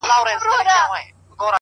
o نسه ـ نسه جام د سوما لیري کړي،